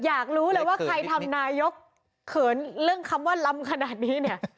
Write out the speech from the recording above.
อยากรู้เลยว่าใครทำนายกเขินเรื่องคำว่าล้ำขนาดนี้เนี่ย